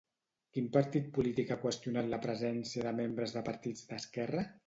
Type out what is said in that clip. Quin partit polític ha qüestionat la presència de membres de partits d'esquerra?